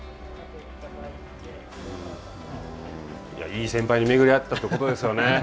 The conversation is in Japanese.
いい先輩に巡り合ったということですよね。